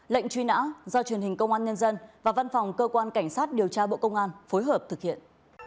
lệnh truy nã do truyền hình công an nhân dân và văn phòng cơ quan cảnh sát điều tra bộ công an phối hợp thực hiện